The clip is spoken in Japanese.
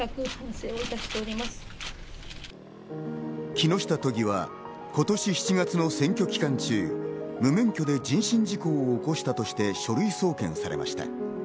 木下都議は今年４月の選挙期間中、無免許で人身事故を起こしたとして、書類送検されました。